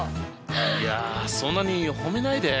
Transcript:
いやそんなに褒めないで。